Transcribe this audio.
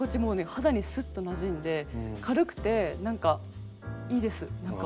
肌にスッとなじんで軽くて何かいいです何か。